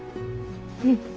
うん。